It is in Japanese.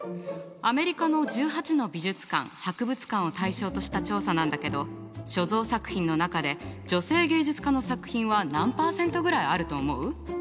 アメリカの１８の美術館・博物館を対象とした調査なんだけど所蔵作品の中で女性芸術家の作品は何％ぐらいあると思う？